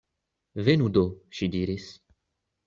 Venu do, ŝi diris.